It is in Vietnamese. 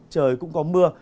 trời cũng có mưa